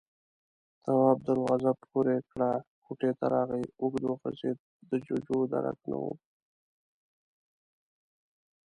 تواب دروازه پورې کړه، کوټې ته راغی، اوږد وغځېد، د جُوجُو درک نه و.